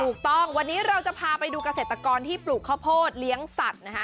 ถูกต้องวันนี้เราจะพาไปดูเกษตรกรที่ปลูกข้าวโพดเลี้ยงสัตว์นะคะ